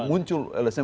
muncul lsm banget